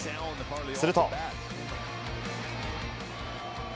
すると。